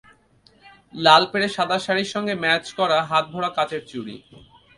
লাল পেড়ে সাদা শাড়ির সঙ্গে ম্যাচ করা হাত ভরা কাচের চুড়ি।